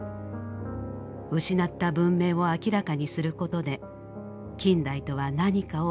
失った文明を明らかにすることで近代とは何かを問うたのです。